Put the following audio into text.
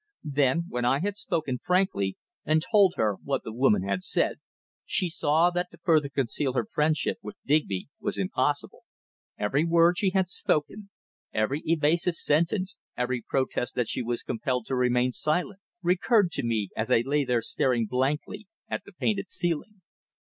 Then, when I had spoken frankly, and told her what the woman had said, she saw that to further conceal her friendship with Digby was impossible. Every word she had spoken, every evasive sentence, every protest that she was compelled to remain silent, recurred to me as I lay there staring blankly at the painted ceiling.